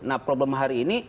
nah problem hari ini